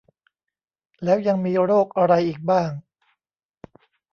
แล้วยังมีโรคอะไรอีกบ้าง